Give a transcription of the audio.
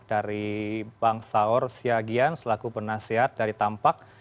dari bang saur siagian selaku penasihat dari tampak